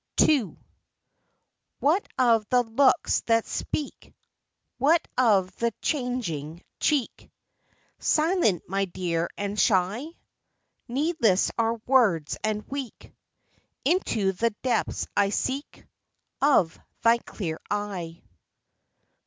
39 LONGINGS. II. What of the looks that speak ? What of the changing cheek ?" Silent, my dear, and shy ?" Needless are words, and weak Into the depths I seek Of thy clear eye.